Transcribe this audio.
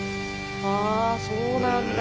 あそうなんだ。